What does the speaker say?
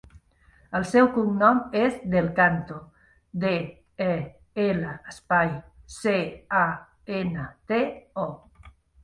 El seu cognom és Del Canto: de, e, ela, espai, ce, a, ena, te, o.